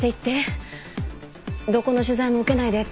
どこの取材も受けないでって。